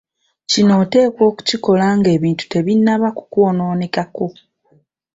Kino oteekwa okukikola ng'ebintu tebinnaba kukwonoonekako.